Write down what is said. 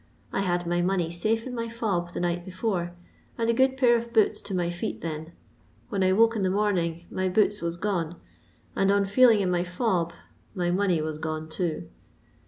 I had my money safe in my fob the night before, and a good pair of boots to my ftet then ; when I woke in the morning my boota was gone, and on feeling in my fob my money was gone ton.